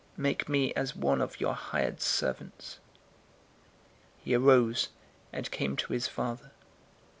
Make me as one of your hired servants."' 015:020 "He arose, and came to his father.